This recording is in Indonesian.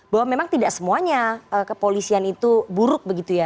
bahwa memang tidak semuanya kepolisian itu buruk begitu ya